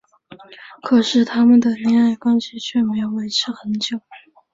可是他们的恋爱关系却没有维持很久。